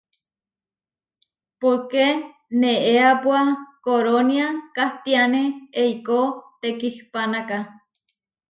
Póke neéapua Korónia kathiáne eikó tekihpánaka.